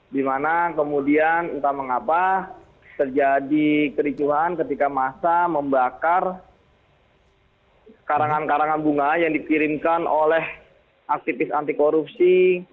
dimana kemudian entah mengapa terjadi kericuhan ketika masa membakar karangan karangan bunga yang dikirimkan oleh aktivis anti korupsi